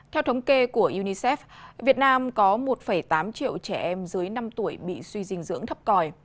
theo thống kê của unicef việt nam có một tám triệu trẻ em dưới năm tuổi bị suy dinh dưỡng thấp còi